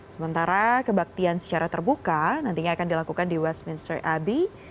sementara kebaktian secara terbuka nantinya akan dilakukan di westminster abbey